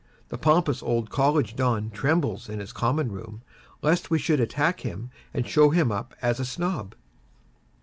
The pompous old College Don trembles in his common room, lest we should attack him and show him up as a Snob.